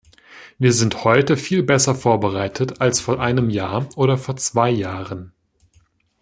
Wir sind heute viel besser vorbereitet als vor einem Jahr oder vor zwei Jahren.